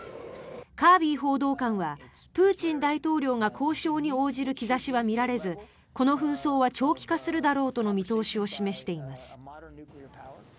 カービー報道官はプーチン大統領が交渉に応じる兆しは見られずこの紛争は長期化するだろうとの見通しを示しています。